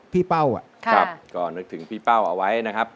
พี่เป้าอ่ะค่ะก็นึกถึงพี่เป้าเอาไว้นะครับ